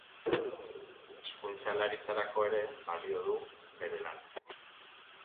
Hizkuntzalaritzako ere balio du bere lanak.